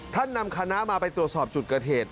นำคณะมาไปตรวจสอบจุดเกิดเหตุ